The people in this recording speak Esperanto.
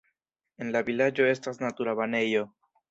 En la vilaĝo estas natura banejo.